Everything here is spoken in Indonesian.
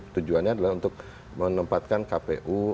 tujuannya adalah untuk menempatkan kpu